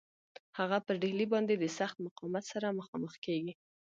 هغه پر ډهلي باندي د سخت مقاومت سره مخامخ کیږي.